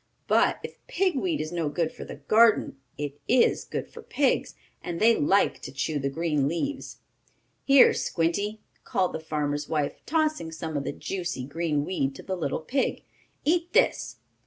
But, if pig weed is no good for the garden, it is good for pigs, and they like to chew the green leaves. "Here, Squinty!" called the farmer's wife, tossing some of the juicy, green weed to the little pig. "Eat this!"